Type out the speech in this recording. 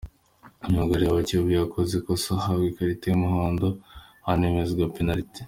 Myugariro wa Kiyovu yakoze ikosa ahabwa ikarita y'umuhondo hanemezwa penaliti.